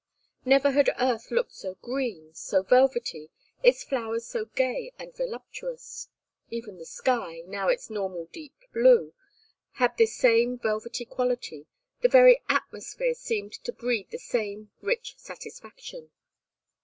Never had Earth looked so green, so velvety, its flowers so gay and voluptuous. Even the sky, now its normal deep blue, had this same velvety quality, the very atmosphere seemed to breathe the same rich satisfaction.